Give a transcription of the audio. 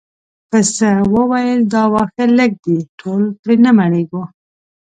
پسه وویل دا واښه لږ دي ټول پرې نه مړیږو.